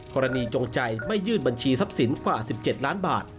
จงใจไม่ยื่นบัญชีทรัพย์สินกว่า๑๗ล้านบาท